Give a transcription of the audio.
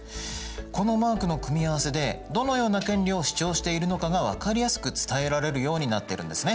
このマークの組み合わせでどのような権利を主張しているのかが分かりやすく伝えられるようになってるんですね。